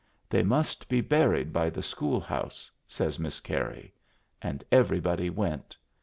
"They must be buried by the school house," says Miss Carey. And everybody went.